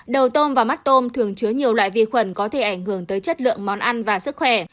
đầu tôm và mắt tôm thường chứa nhiều loại vi khuẩn có thể ảnh hưởng tới chất lượng món ăn và sức khỏe